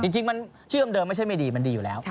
จริงมันชื่อเดิมไม่ใช่ไม่ดีมันดีอยู่แล้ว